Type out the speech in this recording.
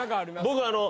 僕あの。